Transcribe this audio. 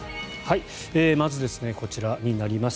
まず、こちらになります。